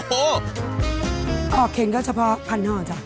ห่อเข็นก็เฉพาะ๑๐๐๐ห่อจ้ะ